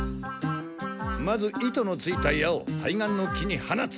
まず糸のついた矢を対岸の木に放つ。